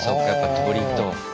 鳥と。